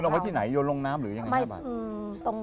คุณเอามาที่ไหนโยนลงน้ำหรือยังไงครับ